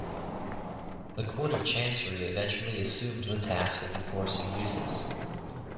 The Court of Chancery eventually assumed the task of enforcing uses.